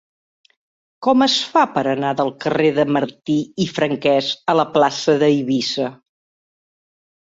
Com es fa per anar del carrer de Martí i Franquès a la plaça d'Eivissa?